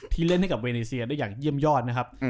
เล่นให้กับเวเนเซียได้อย่างเยี่ยมยอดนะครับ